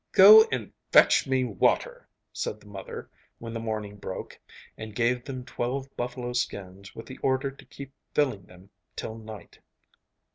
'Go and fetch me water!' said the mother, when the morning broke, and gave them twelve buffalo skins with the order to keep filling them till night.